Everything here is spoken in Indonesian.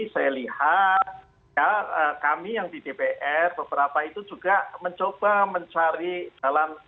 saya lihat ya kami yang di dpr beberapa itu juga mencoba mencari jalan